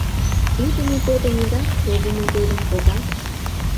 Ӱдымӧ годым ӱдат, погымо годым погат.